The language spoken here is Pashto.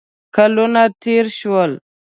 کلونه تېر شول.